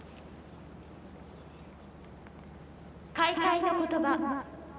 「開会の言葉」。